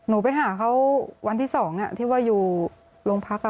หนูไปหาเขาวันที่๒ที่ว่าอยู่โรงพัก